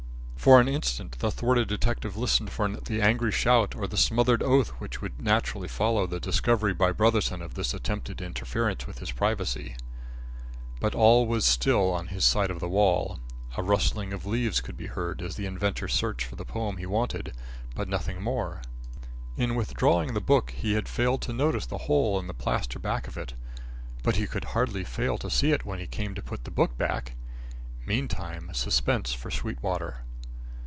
For an instant the thwarted detective listened for the angry shout or the smothered oath which would naturally follow the discovery by Brotherson of this attempted interference with his privacy. But all was still on his side of the wall. A rustling of leaves could be heard, as the inventor searched for the poem he wanted, but nothing more. In withdrawing the book, he had failed to notice the hole in the plaster back of it. But he could hardly fail to see it when he came to put the book back. Meantime, suspense for Sweetwater.